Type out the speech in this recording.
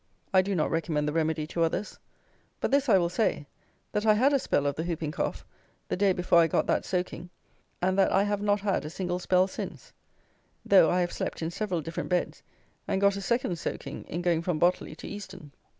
I do not recommend the remedy to others; but this I will say, that I had a spell of the hooping cough, the day before I got that soaking, and that I have not had a single spell since; though I have slept in several different beds, and got a second soaking in going from Botley to Easton.